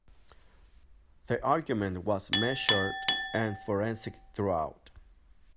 The argument was measured and forensic throughout.